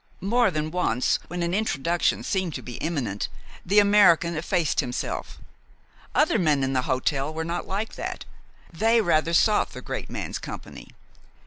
More than once, when an introduction seemed to be imminent, the American effaced himself. Other men in the hotel were not like that they rather sought the great man's company.